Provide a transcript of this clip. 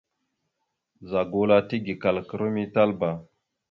Ɓəza gula tigekala aka ram ya Talba.